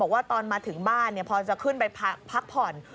ว่าตอนมาถึงบ้านพอจะขึ้นไปพักผ่อน